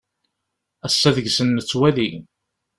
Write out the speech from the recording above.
Ass-a deg-sen nettwali.